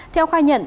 theo khai nhận